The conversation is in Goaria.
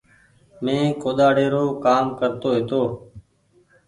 مينٚ ڪوۮاڙي رو ڪآم ڪرتو هيتو